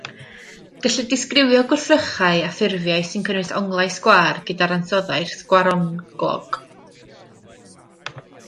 Gellir disgrifio gwrthrychau a ffurfiau sy'n cynnwys onglau sgwâr gyda'r ansoddair sgwaronglog.